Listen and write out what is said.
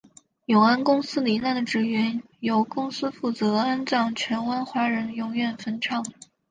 永安公司罹难的职员由公司负责安葬荃湾华人永远坟场。